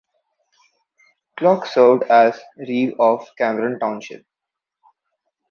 Klock served as reeve of Cameron Township.